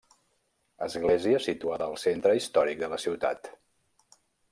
Església situada al centre històric de la ciutat.